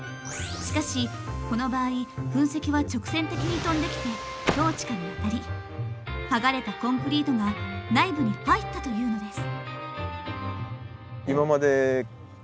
しかしこの場合噴石は直線的に飛んできてトーチカに当たり剥がれたコンクリートが内部に入ったというのです。